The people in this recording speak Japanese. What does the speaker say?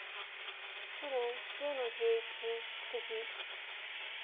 白１０の十一ツギ。